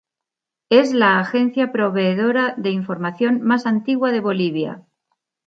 Es la agencia proveedora de información más antigua de Bolivia.